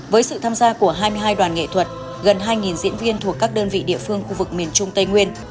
với sự tham gia của hai mươi hai đoàn nghệ thuật gần hai diễn viên thuộc các đơn vị địa phương khu vực miền trung tây nguyên